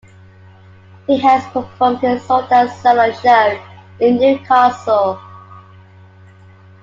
He has performed his Sold Out solo show in Newcastle.